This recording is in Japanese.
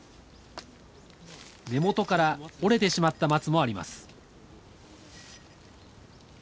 根元から折れてしまった松もあります